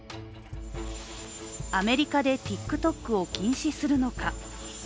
アメリカでＴｉｋＴｏｋを禁止するのか？